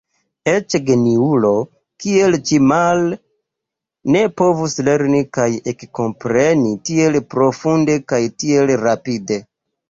Eĉ geniulo, kiel Ĉimal, ne povus lerni kaj ekkompreni tiel profunde kaj tiel rapide.